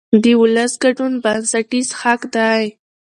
د ولس ګډون بنسټیز حق دی